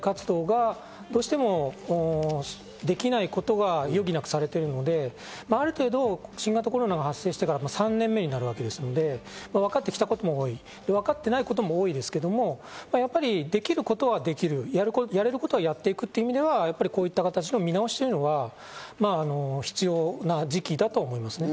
それによって社会、経済活動がどうしてもできないことが余儀なくされているので、ある程度、新型コロナが発生してから３年目になるわけですのでわかってきたことも多い、わかってないことも多いですけど、やっぱりできることはできる、やれる事をやっていくという意味ではこういう形の見直しというのは必要な時期だと思いますね。